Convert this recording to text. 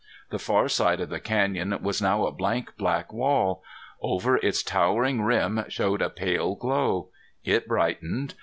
The far side of the canyon was now a blank black wall. Over its towering rim showed a pale glow. It brightened.